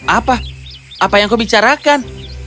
apa apa yang kau bicarakan